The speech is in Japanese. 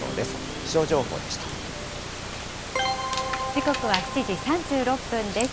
時刻は７時３６分です。